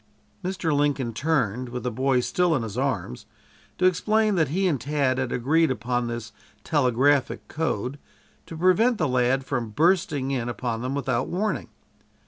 Mr. Lincoln turned, with the boy still in his arms, to explain that he and Tad had agreed upon this telegraphic code to prevent the lad from bursting in upon them without warning.